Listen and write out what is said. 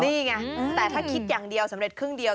นี่ไงแต่ถ้าคิดอย่างเดียวสำเร็จครึ่งเดียว